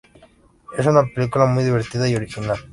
Es una película muy divertida y original.